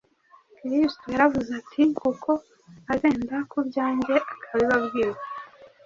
Kristo yaravuze ati, ” Kuko azenda ku byanjye akabibabwira.